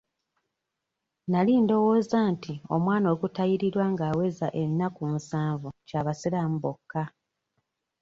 Nali ndowooza nti omwana okutayirirwa nga aweza ennaku musanvu kya basiraamu bokka.